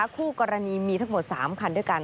คู่กรณีมีทั้งหมด๓คันด้วยกัน